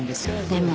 でも。